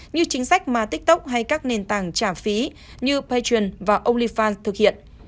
như chính sách mà tiktok hay các nền tảng trả phí như patreon và onlyfans thực hiện